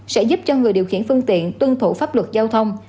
sẽ giúp cho người điều khiển phương tiện tuân thủ pháp luật giao thông